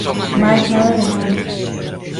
Mais nada de nada.